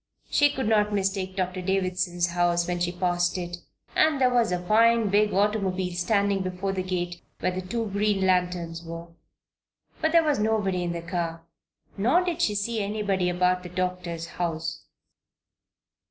She could not mistake Doctor Davison's house when she passed it, and there was a fine big automobile standing before the gate where the two green lanterns were. But there was nobody in the car, nor did she see anybody about the doctor's house.